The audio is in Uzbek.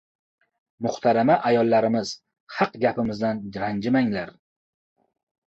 Muhtarama ayollarimiz, haq gapimizdan ranjimanglar.